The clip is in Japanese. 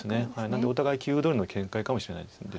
なのでお互い棋風どおりの展開かもしれないです。